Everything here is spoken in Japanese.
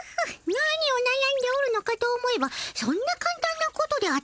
何をなやんでおるのかと思えばそんなかんたんなことであったかの。